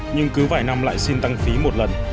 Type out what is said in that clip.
nhưng cứ vài năm lại xin tăng phí một lần